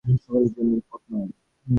সকলের জন্য এই পথ নয়।